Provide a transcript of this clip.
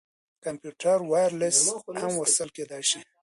کمپيوټر وايرلس هم وصل کېدلاى سي.